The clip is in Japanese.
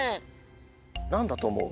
なんだとおもう？